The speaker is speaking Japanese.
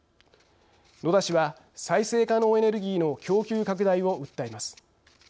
野田氏は再生可能エネルギーの供給拡大を訴えます。